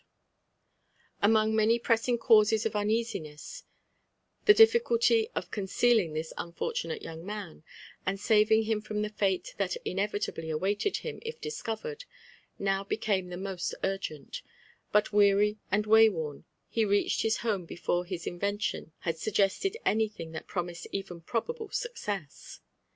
03 LIFE AND ADVENTURB8 OF AmoDg maoy presftiog oausas of udeflMDOii, the diflkolty of c6n cealiog this unfortunate young maui and Mving him from the fAte thai inoYitably awaited hitn if diaOovered* now beotme the mOst urgent; but weary and wayworn, he reached his home before his inventiofi had suggested anything that promised even probable success.